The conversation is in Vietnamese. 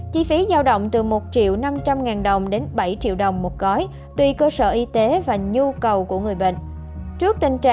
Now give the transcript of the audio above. chi phí giao động từ một triệu năm trăm linh ngàn đồng đến bảy triệu đồng một gói tùy cơ sở y tế và nhu cầu của người bệnh